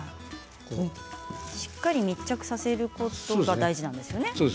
しっかり密着させることが大事なんですよね。